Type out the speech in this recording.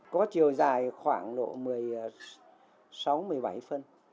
có chiều dài khoảng độ một sáu một mươi bảy phân